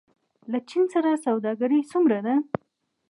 له چین سره سوداګري څومره ده؟